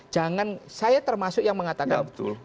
jangan saya termasuk yang mengatakan betul